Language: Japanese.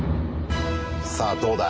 さあどうだい？